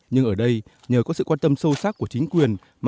nhưng ở đây nhờ có sự quan tâm sâu sắc của chính quyền